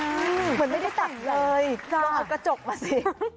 เหมือนไม่ได้จับเลยลองเอากระจกมาสิ